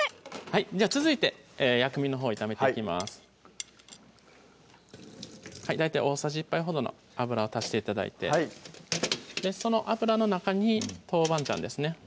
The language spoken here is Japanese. じゃあ続いて薬味のほう炒めていきます大体大さじ１杯ほどの油を足して頂いてその油の中に豆板醤ですね